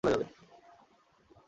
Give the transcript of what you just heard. সব দুঃখ কষ্ট চলে যাবে।